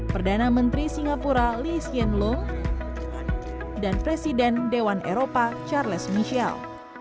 perdana menteri singapura lee hsien loong dan presiden dewan eropa charles michelle